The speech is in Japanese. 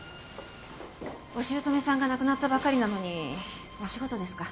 お姑さんが亡くなったばかりなのにお仕事ですか？